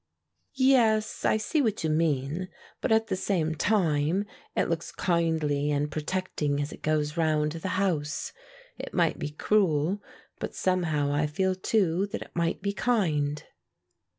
"Yes, I see what you mean, but at the same time it looks kindly and protecting as it goes round the house; it might be cruel, but somehow I feel too that it might be kind."